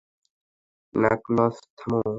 Knuckles, থামো।